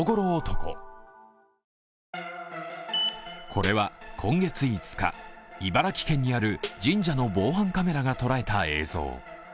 これは今月５日、茨城県にある神社の防犯カメラが捉えた映像。